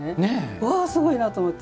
うわぁ、すごいなと思って。